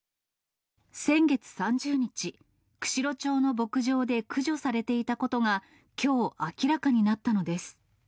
先月３０日、釧路町の牧場で駆除されていたことが、きょう明らかになったのです。